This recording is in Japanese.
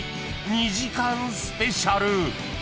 ２時間スペシャル］